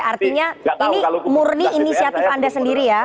artinya ini murni inisiatif anda sendiri ya